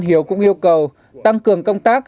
hiếu cũng yêu cầu tăng cường công tác